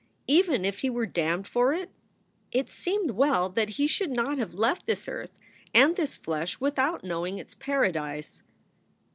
Even if he were damned for it, it seemed well that he should not have left this earth and this flesh without knowing its Paradise.